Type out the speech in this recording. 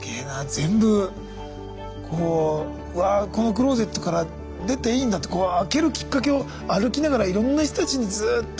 全部こうわあこのクローゼットから出ていいんだって開けるきっかけを歩きながらいろんな人たちにずっと。